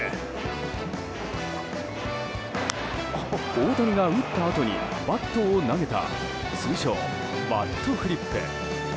大谷が打ったあとにバットを投げた通称バットフリップ。